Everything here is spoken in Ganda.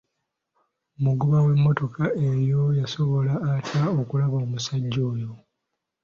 Omugoba w'emmotoka eyo yasobola atya okulaba omusajja oyo?